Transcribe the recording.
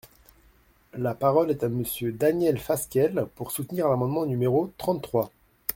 La parole est à Monsieur Daniel Fasquelle, pour soutenir l’amendement numéro trente-trois.